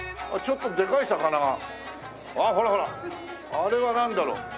あれはなんだろう？